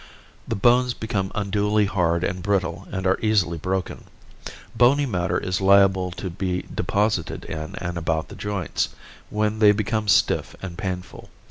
The bones become unduly hard and brittle and are easily broken. Bony matter is liable to be deposited in and about the joints, when they become stiff and painful.